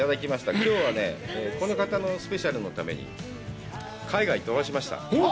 きょうはね、この方のスペシャルのために海外飛ばしました。